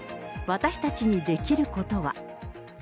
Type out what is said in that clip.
私たちにできることは。